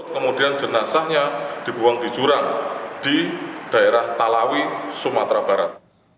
kemudian jenazahnya dibuang di jurang di daerah talawi sumatera barat